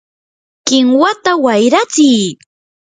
¡kinwata wayratsiy!